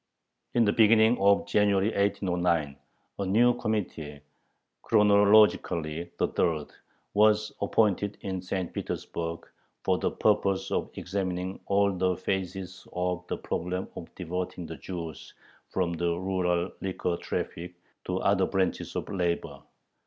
In the beginning of January, 1809, a new Committee (chronologically the third) was appointed in St. Petersburg for the purpose of examining all the phases of the problem of diverting the Jews from the rural liquor traffic to other branches of labor.